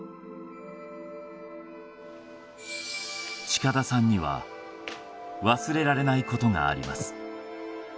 近田さんには忘れられないことがあります